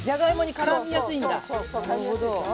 からみやすいでしょ。